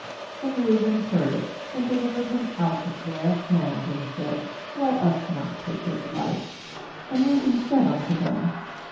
^And Reuben heard it, and delivered him out of their hand; and said: ' Let us not take his life.' ^And Reuben said unto them